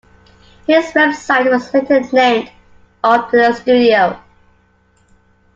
His website was later named after the studio.